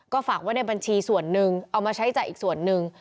ฝากไว้ในบัญชีส่วนหนึ่งเอามาใช้จ่ายอีกส่วนหนึ่ง